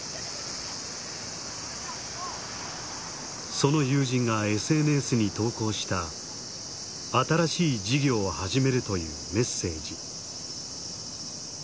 その友人がＳＮＳに投稿した新しい事業を始めるというメッセージ。